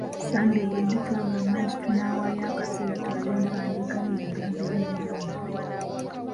Ssande ewedde twagamba nti tunaawaayo akaseera tulabe empandiika y’ebigambo eby’enjawulo.